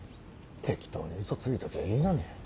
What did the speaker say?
適当に嘘ついときゃいいのに。